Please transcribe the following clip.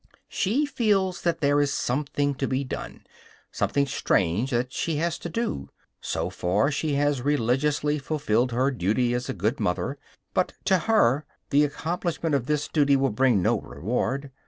She feels that there is something to be done; something strange, that she has to do. So far, she has religiously fulfilled her duty as a good mother; but, to her, the accomplishment of this duty will bring no reward.